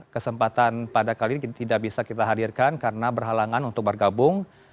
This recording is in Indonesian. kesempatan pada kali ini tidak bisa kita hadirkan karena berhalangan untuk bergabung